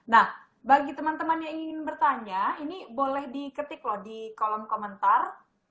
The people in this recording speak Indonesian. nah bagi teman teman yang ingin bertanya ini boleh diketik loh di kolom komentar